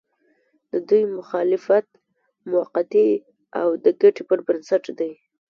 د دوی مخالفت موقعتي او د ګټې پر بنسټ دی.